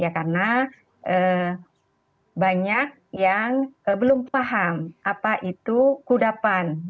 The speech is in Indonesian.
karena banyak yang belum paham apa itu kudapan